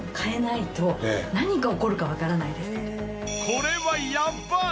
これはやばい！